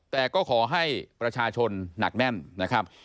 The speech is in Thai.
แต่ก็ขอให้ประชาชนหนักแน่นนะครับ